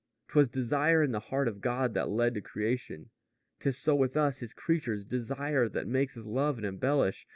'Twas desire in the heart of God that led to creation. 'Tis so with us, His creatures desire that makes us love and embellish.